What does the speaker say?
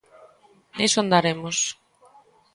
Niso andaremos.